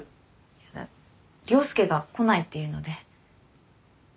いや涼介が来ないっていうので。